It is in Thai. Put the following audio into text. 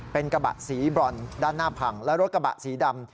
เป็นกระบะสีบรอนด้านหน้าพังและรถกระบะสีดำ